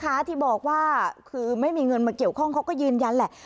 เขาบอกว่าที่บอกว่าคือไม่มีเงินมาเกี่ยวข้องเขาก็ยืนยันแหละ